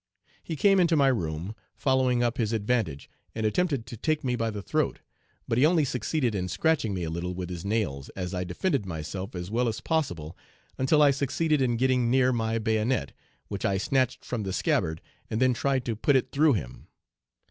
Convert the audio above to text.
He came into my room, following up his advantage, and attempted to take me by the throat, but he only succeeded in scratching me a little with his nails, as I defended myself as well as possible until I succeeded in getting near my bayonet, which I snatched from the scabbard and then tried to put it through him.